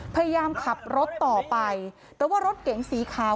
พยายามขับรถต่อไปแต่ว่ารถเก๋งสีขาว